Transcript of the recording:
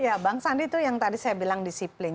ya bang sandi itu yang tadi saya bilang disiplin